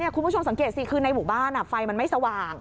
คุณผู้ชมสังเกตสิคือในหมู่บ้านไฟมันไม่สว่าง